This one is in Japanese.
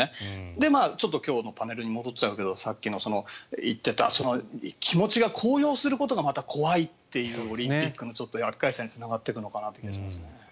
で、今日のパネルに戻っちゃうけどさっき言っていた気持ちが高揚することがまた怖いというオリンピックのちょっと厄介さにつながっていくのかなと思いますね。